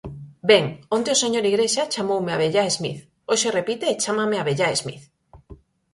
Ben, onte o señor Igrexa chamoume Abellá Smith; hoxe repite e chámame Abellá Smith.